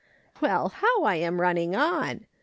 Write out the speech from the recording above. Well, how I am running on !